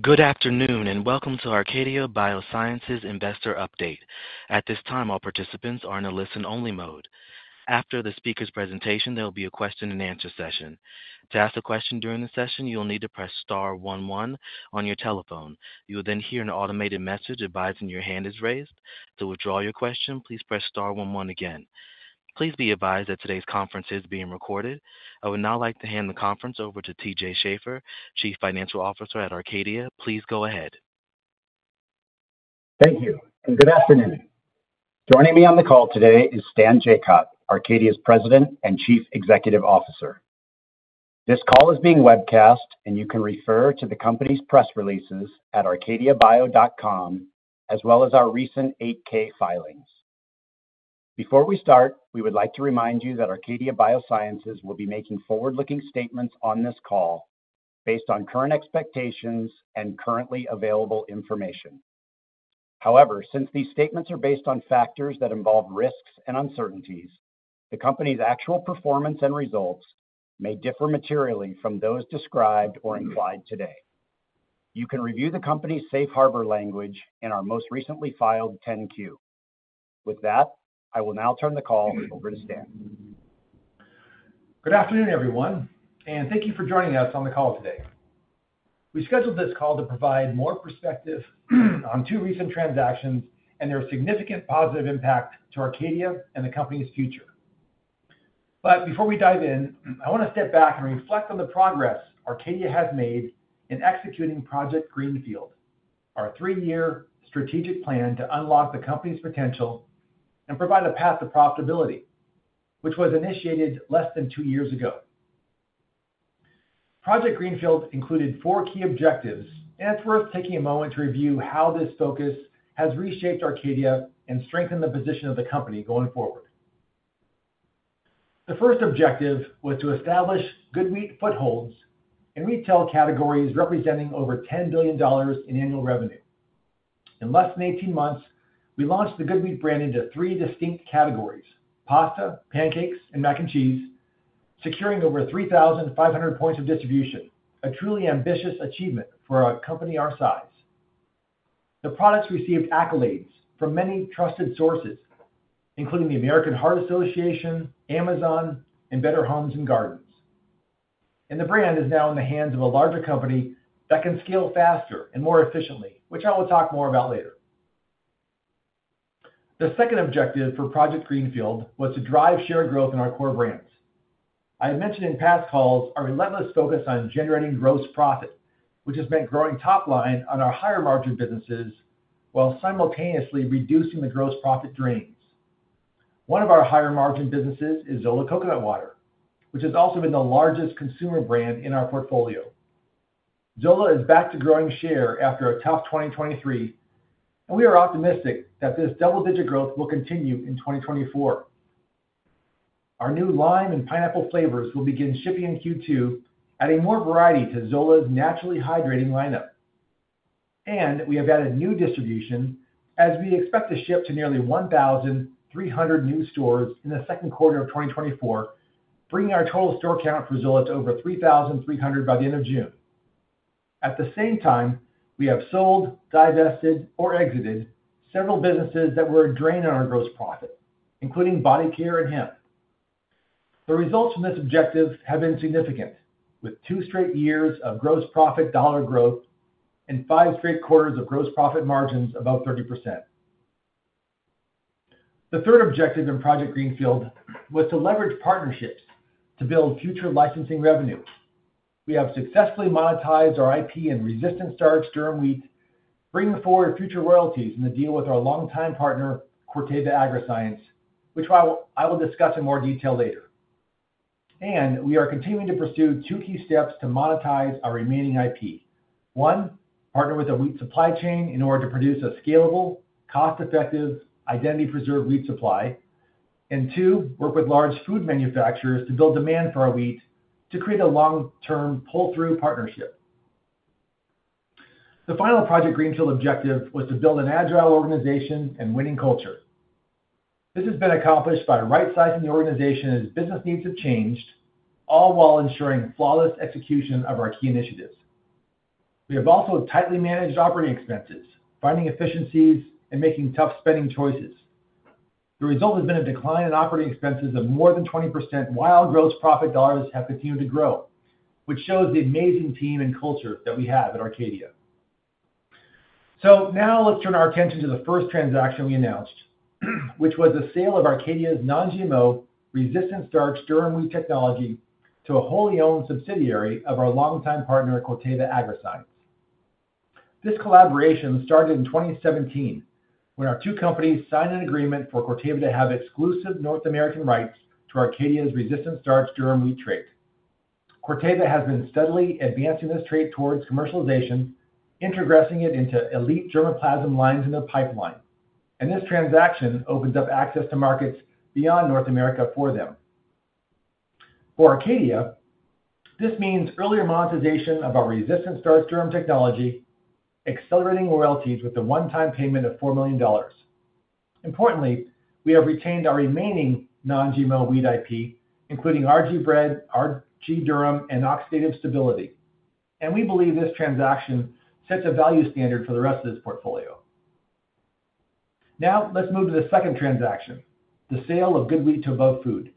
Good afternoon, and welcome to Arcadia Biosciences Investor Update. At this time, all participants are in a listen-only mode. After the speaker's presentation, there will be a question-and-answer session. To ask a question during the session, you will need to press star one one on your telephone. You will then hear an automated message advising your hand is raised. To withdraw your question, please press star one one again. Please be advised that today's conference is being recorded. I would now like to hand the conference over to T.J. Schaefer, Chief Financial Officer at Arcadia. Please go ahead. Thank you, and good afternoon. Joining me on the call today is Stan Jacot, Arcadia's President and Chief Executive Officer. This call is being webcast, and you can refer to the company's press releases at arcadiabio.com, as well as our recent 8-K filings. Before we start, we would like to remind you that Arcadia Biosciences will be making forward-looking statements on this call based on current expectations and currently available information. However, since these statements are based on factors that involve risks and uncertainties, the company's actual performance and results may differ materially from those described or implied today. You can review the company's safe harbor language in our most recently filed 10-Q. With that, I will now turn the call over to Stan. Good afternoon, everyone, and thank you for joining us on the call today. We scheduled this call to provide more perspective on two recent transactions and their significant positive impact to Arcadia and the company's future. But before we dive in, I want to step back and reflect on the progress Arcadia has made in executing Project Greenfield, our three-year strategic plan to unlock the company's potential and provide a path to profitability, which was initiated less than two years ago. Project Greenfield included four key objectives, and it's worth taking a moment to review how this focus has reshaped Arcadia and strengthened the position of the company going forward. The first objective was to establish GoodWheat footholds in retail categories, representing over $10 billion in annual revenue. In less than 18 months, we launched the GoodWheat brand into three distinct categories: pasta, pancakes, and mac and cheese, securing over 3,500 points of distribution, a truly ambitious achievement for a company our size. The products received accolades from many trusted sources, including the American Heart Association, Amazon, and Better Homes and Gardens. The brand is now in the hands of a larger company that can scale faster and more efficiently, which I will talk more about later. The second objective for Project Greenfield was to drive shared growth in our core brands. I have mentioned in past calls our relentless focus on generating gross profit, which has meant growing top line on our higher-margin businesses while simultaneously reducing the gross profit drains. One of our higher-margin businesses is Zola Coconut Water, which has also been the largest consumer brand in our portfolio. Zola is back to growing share after a tough 2023, and we are optimistic that this double-digit growth will continue in 2024. Our new lime and pineapple flavors will begin shipping in Q2, adding more variety to Zola's naturally hydrating lineup. We have added new distribution as we expect to ship to nearly 1,300 new stores in the second quarter of 2024, bringing our total store count for Zola to over 3,300 by the end of June. At the same time, we have sold, divested, or exited several businesses that were a drain on our gross profit, including body care and hemp. The results from this objective have been significant, with 2 straight years of gross profit dollar growth and 5 straight quarters of gross profit margins above 30%. The third objective in Project Greenfield was to leverage partnerships to build future licensing revenue. We have successfully monetized our IP and resistant starch durum wheat, bringing forward future royalties in the deal with our longtime partner, Corteva Agriscience, which I will discuss in more detail later. We are continuing to pursue two key steps to monetize our remaining IP. One, partner with a wheat supply chain in order to produce a scalable, cost-effective, identity-preserved wheat supply. And two, work with large food manufacturers to build demand for our wheat to create a long-term pull-through partnership. The final Project Greenfield objective was to build an agile organization and winning culture. This has been accomplished by right-sizing the organization as business needs have changed, all while ensuring flawless execution of our key initiatives. We have also tightly managed operating expenses, finding efficiencies, and making tough spending choices. The result has been a decline in operating expenses of more than 20%, while gross profit dollars have continued to grow, which shows the amazing team and culture that we have at Arcadia. So now let's turn our attention to the first transaction we announced, which was the sale of Arcadia's non-GMO, resistant starch durum wheat technology to a wholly-owned subsidiary of our longtime partner, Corteva Agriscience. This collaboration started in 2017, when our two companies signed an agreement for Corteva to have exclusive North American rights to Arcadia's resistant starch durum wheat trait. Corteva has been steadily advancing this trait towards commercialization, introgressing it into elite germplasm lines in their pipeline, and this transaction opens up access to markets beyond North America for them. For Arcadia, this means earlier monetization of our resistant starch durum technology, accelerating royalties with a one-time payment of $4 million. Importantly, we have retained our remaining non-GMO wheat IP, including RG bread, RG durum, and oxidative stability. And we believe this transaction sets a value standard for the rest of this portfolio. Now, let's move to the second transaction, the sale of GoodWheat to Above Food.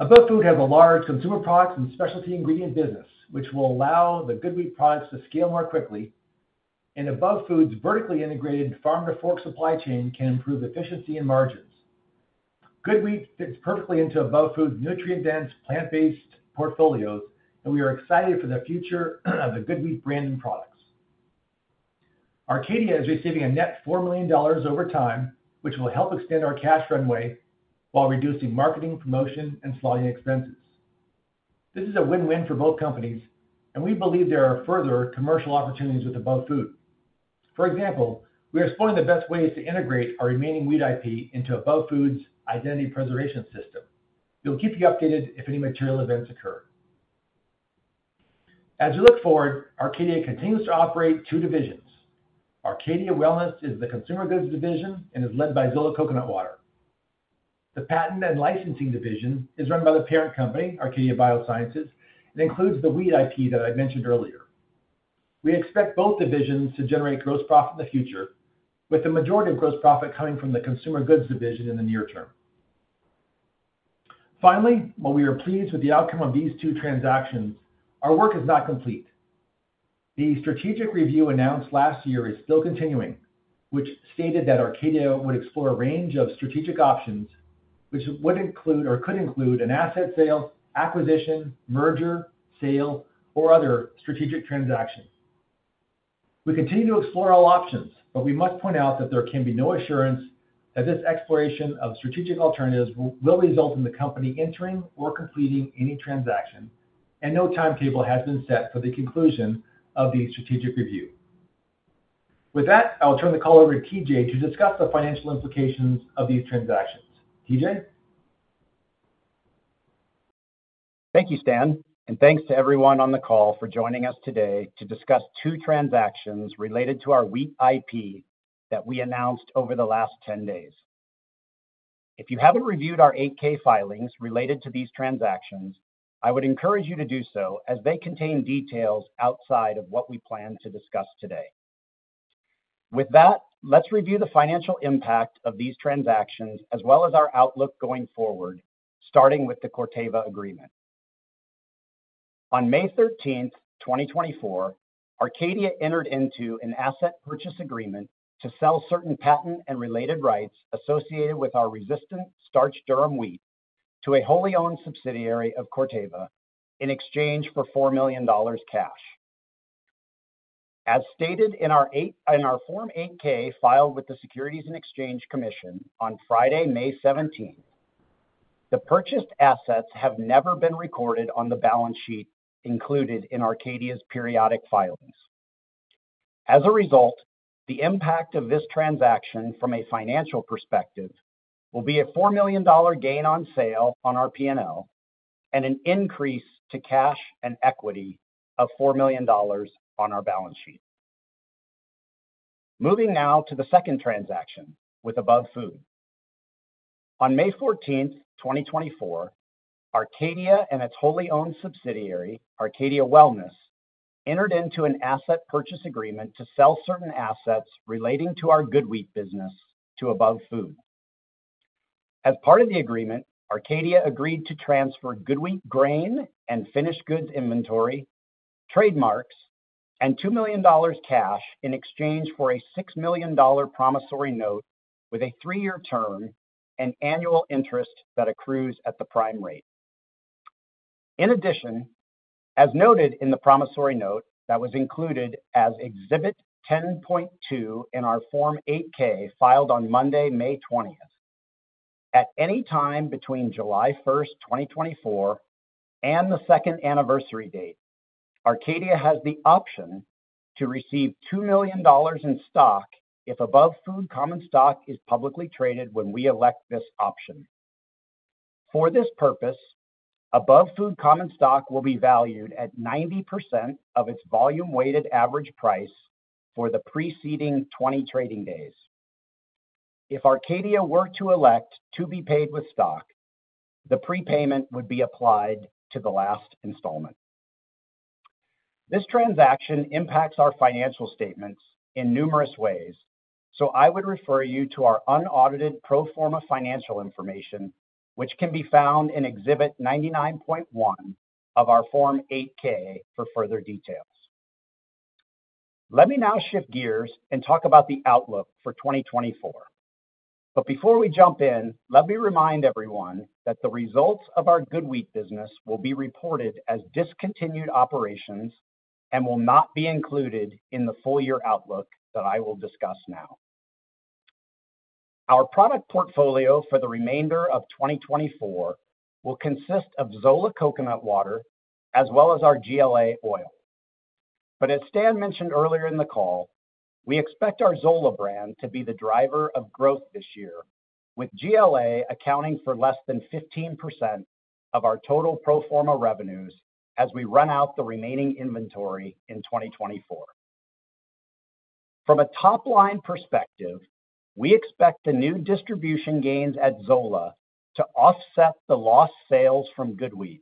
Above Food has a large consumer products and specialty ingredient business, which will allow the GoodWheat products to scale more quickly, and Above Food's vertically integrated farm-to-fork supply chain can improve efficiency and margins. GoodWheat fits perfectly into Above Food's nutrient-dense, plant-based portfolios, and we are excited for the future of the GoodWheat brand and products. Arcadia is receiving a net $4 million over time, which will help extend our cash runway while reducing marketing, promotion, and SG&A expenses. This is a win-win for both companies, and we believe there are further commercial opportunities with Above Food. For example, we are exploring the best ways to integrate our remaining wheat IP into Above Food's identity preservation system. We'll keep you updated if any material events occur. As we look forward, Arcadia continues to operate two divisions. Arcadia Wellness is the consumer goods division and is led by Zola Coconut Water. The patent and licensing division is run by the parent company, Arcadia Biosciences, and includes the wheat IP that I mentioned earlier. We expect both divisions to generate gross profit in the future, with the majority of gross profit coming from the consumer goods division in the near term. Finally, while we are pleased with the outcome of these two transactions, our work is not complete. The strategic review announced last year is still continuing, which stated that Arcadia would explore a range of strategic options, which would include or could include an asset sale, acquisition, merger, sale, or other strategic transactions. We continue to explore all options, but we must point out that there can be no assurance that this exploration of strategic alternatives will result in the company entering or completing any transaction, and no timetable has been set for the conclusion of the strategic review. With that, I'll turn the call over to T.J. to discuss the financial implications of these transactions. T.J.? Thank you, Stan, and thanks to everyone on the call for joining us today to discuss two transactions related to our wheat IP that we announced over the last 10 days. If you haven't reviewed our 8-K filings related to these transactions, I would encourage you to do so, as they contain details outside of what we plan to discuss today. With that, let's review the financial impact of these transactions, as well as our outlook going forward, starting with the Corteva agreement. On May 13, 2024, Arcadia entered into an asset purchase agreement to sell certain patent and related rights associated with our resistant starch durum wheat to a wholly owned subsidiary of Corteva, in exchange for $4 million cash. As stated in our Form 8-K, filed with the Securities and Exchange Commission on Friday, May 17, the purchased assets have never been recorded on the balance sheet included in Arcadia's periodic filings. As a result, the impact of this transaction from a financial perspective will be a $4 million gain on sale on our P&L and an increase to cash and equity of $4 million on our balance sheet. Moving now to the second transaction with Above Food. On May 14, 2024, Arcadia and its wholly owned subsidiary, Arcadia Wellness, entered into an asset purchase agreement to sell certain assets relating to our GoodWheat business to Above Food. As part of the agreement, Arcadia agreed to transfer GoodWheat grain and finished goods inventory, trademarks, and $2 million cash in exchange for a $6 million promissory note with a 3-year term and annual interest that accrues at the prime rate. In addition, as noted in the promissory note that was included as Exhibit 10.2 in our Form 8-K, filed on Monday, May 20. At any time between July 1, 2024, and the second anniversary date, Arcadia has the option to receive $2 million in stock if Above Food common stock is publicly traded when we elect this option. For this purpose, Above Food common stock will be valued at 90% of its volume-weighted average price for the preceding 20 trading days. If Arcadia were to elect to be paid with stock, the prepayment would be applied to the last installment. This transaction impacts our financial statements in numerous ways, so I would refer you to our unaudited pro forma financial information, which can be found in Exhibit 99.1 of our Form 8-K for further details. Let me now shift gears and talk about the outlook for 2024. But before we jump in, let me remind everyone that the results of our GoodWheat business will be reported as discontinued operations and will not be included in the full year outlook that I will discuss now. Our product portfolio for the remainder of 2024 will consist of Zola Coconut Water as well as our GLA oil. But as Stan mentioned earlier in the call, we expect our Zola brand to be the driver of growth this year. with GLA accounting for less than 15% of our total pro forma revenues as we run out the remaining inventory in 2024. From a top-line perspective, we expect the new distribution gains at Zola to offset the lost sales from GoodWheat.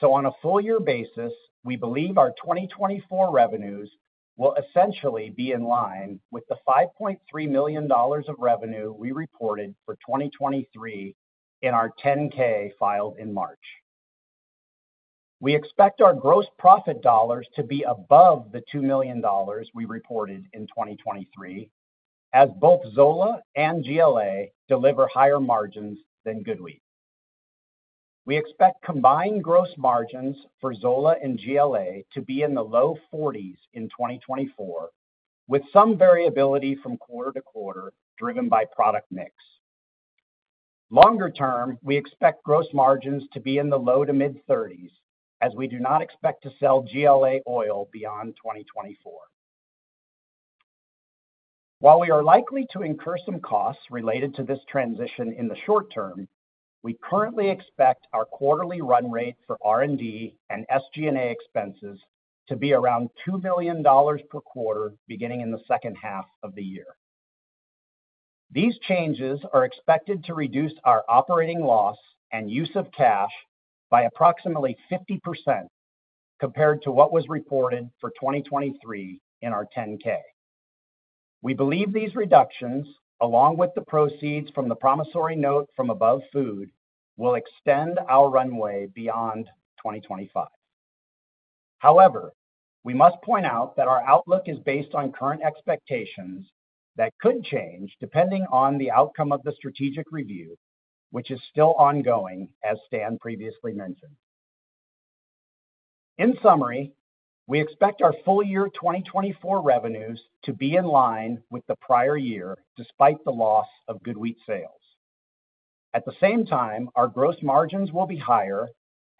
So on a full year basis, we believe our 2024 revenues will essentially be in line with the $5.3 million of revenue we reported for 2023 in our 10-K filed in March. We expect our gross profit dollars to be above the $2 million we reported in 2023, as both Zola and GLA deliver higher margins than GoodWheat. We expect combined gross margins for Zola and GLA to be in the low 40s% in 2024, with some variability from quarter to quarter, driven by product mix. Longer term, we expect gross margins to be in the low-to-mid 30s%, as we do not expect to sell GLA oil beyond 2024. While we are likely to incur some costs related to this transition in the short term, we currently expect our quarterly run rate for R&D and SG&A expenses to be around $2 billion per quarter, beginning in the second half of the year. These changes are expected to reduce our operating loss and use of cash by approximately 50% compared to what was reported for 2023 in our 10-K. We believe these reductions, along with the proceeds from the promissory note from Above Food, will extend our runway beyond 2025. However, we must point out that our outlook is based on current expectations that could change depending on the outcome of the strategic review, which is still ongoing, as Stan previously mentioned. In summary, we expect our full year 2024 revenues to be in line with the prior year, despite the loss of GoodWheat sales. At the same time, our gross margins will be higher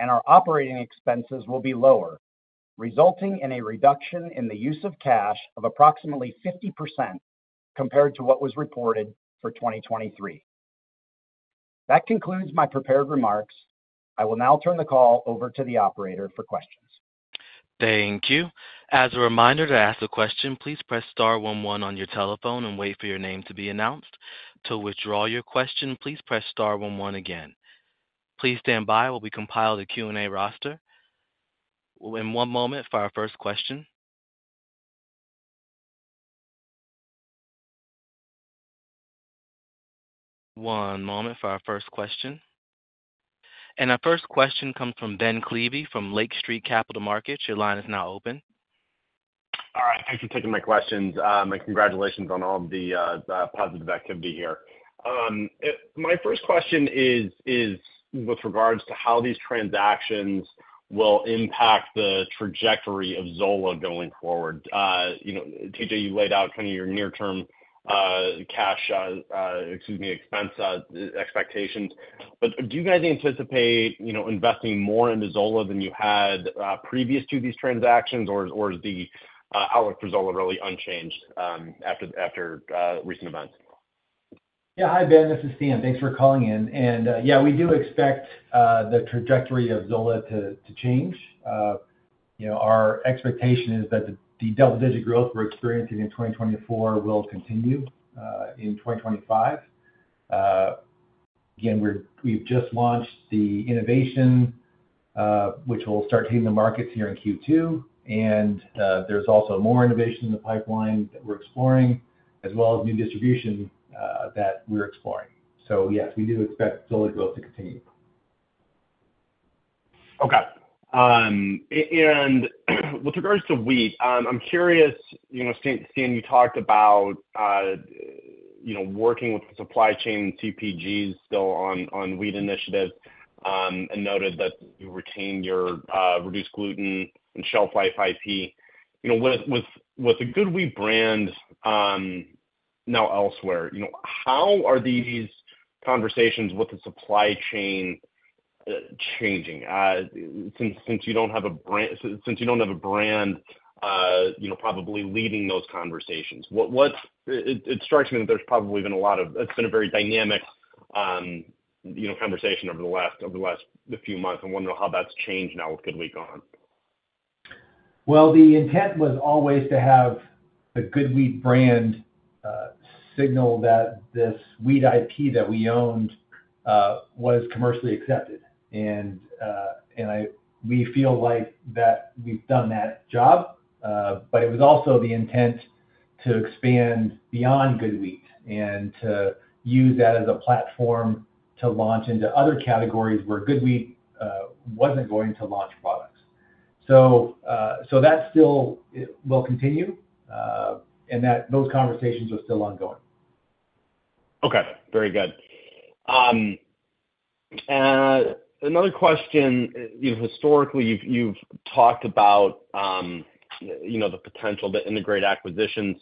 and our operating expenses will be lower, resulting in a reduction in the use of cash of approximately 50% compared to what was reported for 2023. That concludes my prepared remarks. I will now turn the call over to the operator for questions. Thank you. As a reminder, to ask a question, please press star one one on your telephone and wait for your name to be announced. To withdraw your question, please press star one one again. Please stand by while we compile the Q&A roster. One moment for our first question. One moment for our first question. And our first question comes from Ben Klieve, from Lake Street Capital Markets. Your line is now open. All right, thanks for taking my questions. And congratulations on all the positive activity here. My first question is with regards to how these transactions will impact the trajectory of Zola going forward. You know, T.J., you laid out kind of your near term cash, excuse me, expense expectations. But do you guys anticipate, you know, investing more into Zola than you had previous to these transactions? Or is the outlook for Zola really unchanged after recent events? Yeah. Hi, Ben, this is Stan. Thanks for calling in. And, yeah, we do expect the trajectory of Zola to change. You know, our expectation is that the double-digit growth we're experiencing in 2024 will continue in 2025. Again, we've just launched the innovation, which will start hitting the markets here in Q2. And, there's also more innovation in the pipeline that we're exploring, as well as new distribution that we're exploring. So yes, we do expect Zola growth to continue. Okay. And with regards to wheat, I'm curious, you know, Stan, you talked about, you know, working with the supply chain CPGs still on wheat initiatives, and noted that you retained your reduced gluten and shelf life IP. You know, with the GoodWheat brand now elsewhere, you know, how are these conversations with the supply chain changing? Since you don't have a brand, you know, probably leading those conversations. What's. It strikes me that there's probably been a lot of. It's been a very dynamic, you know, conversation over the last few months. I'm wondering how that's changed now with GoodWheat gone. Well, the intent was always to have the GoodWheat brand signal that this wheat IP that we owned was commercially accepted. And we feel like that we've done that job. But it was also the intent to expand beyond GoodWheat and to use that as a platform to launch into other categories where GoodWheat wasn't going to launch products. So that still will continue and those conversations are still ongoing. Okay, very good. Another question, you know, historically, you've talked about, you know, the potential to integrate acquisitions.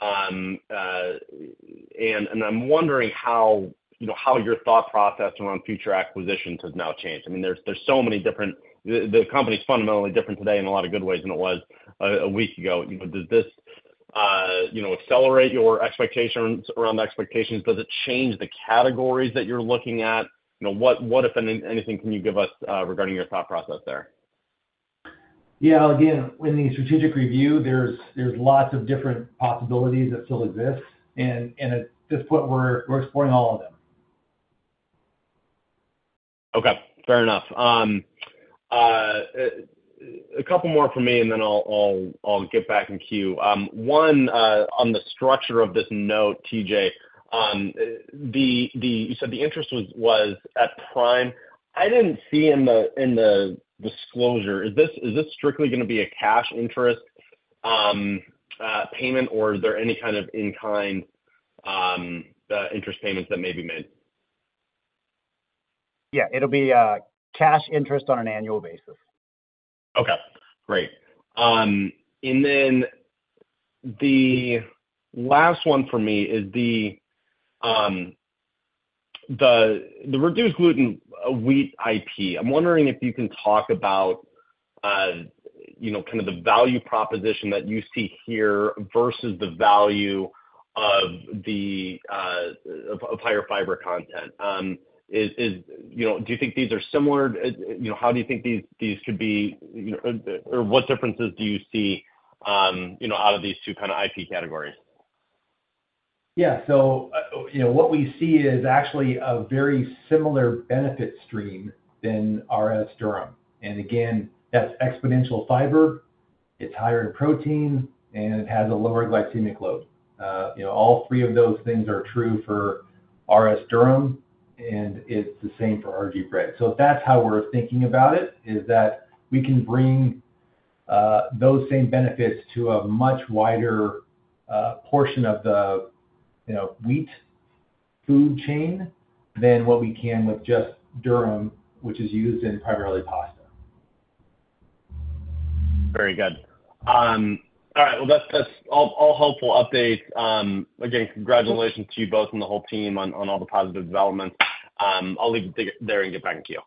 And I'm wondering how, you know, how your thought process around future acquisitions has now changed. I mean, there's so many different... The company is fundamentally different today in a lot of good ways than it was a week ago. You know, does this... you know, accelerate your expectations or on the expectations? Does it change the categories that you're looking at? You know, what, if any, anything can you give us regarding your thought process there? Yeah, again, in the strategic review, there's lots of different possibilities that still exist, and at this point, we're exploring all of them. Okay, fair enough. A couple more from me, and then I'll get back in queue. One, on the structure of this note, T.J., you said the interest was at prime. I didn't see in the disclosure, is this strictly gonna be a cash interest payment, or is there any kind of in-kind interest payments that may be made? Yeah, it'll be cash interest on an annual basis. Okay, great. And then the last one for me is the reduced gluten wheat IP. I'm wondering if you can talk about, you know, kind of the value proposition that you see here versus the value of the higher fiber content. Is, is-- you know, do you think these are similar? You know, how do you think these could be, you know, or what differences do you see, you know, out of these two kind of IP categories? Yeah. So, you know, what we see is actually a very similar benefit stream than RS Durum. And again, that's exponential fiber, it's higher in protein, and it has a lower glycemic load. You know, all three of those things are true for RS Durum, and it's the same for RG bread. So that's how we're thinking about it, is that we can bring those same benefits to a much wider portion of the, you know, wheat food chain than what we can with just Durum, which is used in primarily pasta. Very good. All right, well, that's all helpful updates. Again, congratulations to you both and the whole team on all the positive developments. I'll leave it there and get back in queue.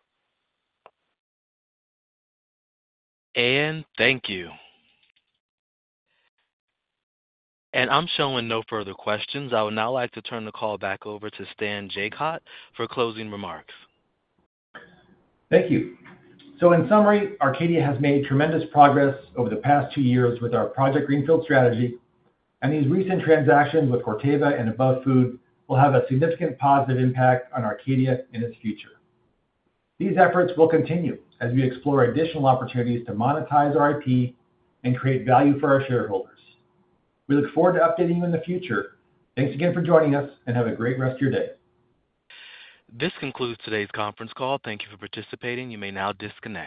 Thank you. I'm showing no further questions. I would now like to turn the call back over to Stan Jacot for closing remarks. Thank you. So in summary, Arcadia has made tremendous progress over the past two years with our Project Greenfield strategy, and these recent transactions with Corteva and Above Food will have a significant positive impact on Arcadia and its future. These efforts will continue as we explore additional opportunities to monetize our IP and create value for our shareholders. We look forward to updating you in the future. Thanks again for joining us, and have a great rest of your day. This concludes today's conference call. Thank you for participating. You may now disconnect.